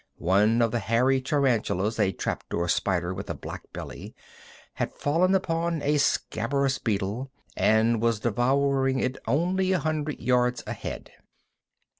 One of the hairy tarantulas a trap door spider with a black belly had fallen upon a scarabæus beetle, and was devouring it only a hundred yards ahead.